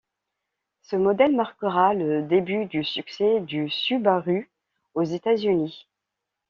Ce modèle marquera le début du succès de Subaru aux États-Unis.